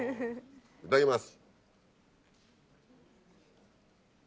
いただきます。